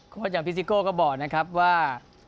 โค้ดอย่างพิซิโก้ก็บอกนะครับว่า